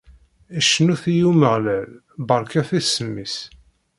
Cnut i Umeɣlal, barket isem-is.